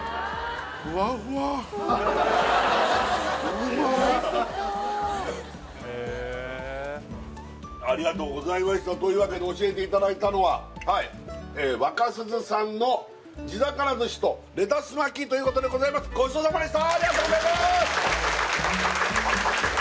うまありがとうございましたというわけで教えていただいたのははいええ若鈴さんの地魚寿司とレタス巻きということでございますありがとうございます